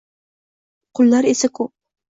Qullar esa koʻp –